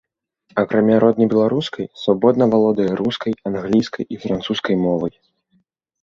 Акрамя роднай беларускай, свабодна валодае рускай, англійскай і французскай мовай.